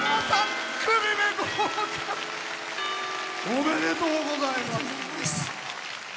ありがとうございます。